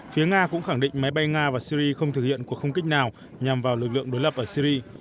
phía nga cũng khẳng định máy bay nga và syri không thực hiện cuộc không kích nào nhằm vào lực lượng đối lập ở syri